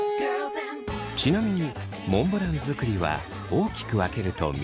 ちなみにモンブラン作りは大きく分けると３つ。